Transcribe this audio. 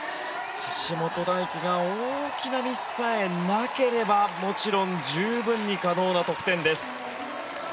橋本大輝が大きなミスさえなければもちろん十分に可能な得点です。